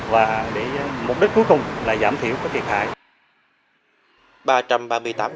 và mục đích cuối cùng là giảm thiểu các thiệt hại